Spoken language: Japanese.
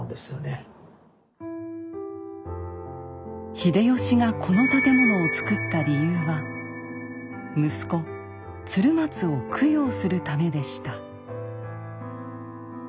秀吉がこの建物をつくった理由は息子・鶴松を供養するためでした。